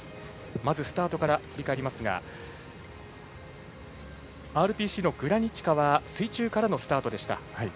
まずスタートから振り返りますがＲＰＣのグラニチカは水中からのスタートでした。